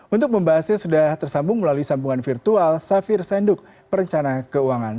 untuk membahasnya sudah tersambung melalui sambungan virtual safir senduk perencana keuangan